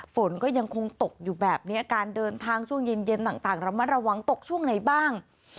ฝนก็ยังคงตกอยู่แบบนี้การเดินทางช่วงเย็นต่างระมัดระวังตกช่วงไหนบ้าง